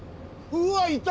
うわっいた！